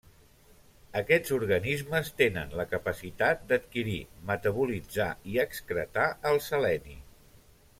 Aquests organismes tenen la capacitat d'adquirir, metabolitzar i excretar el seleni.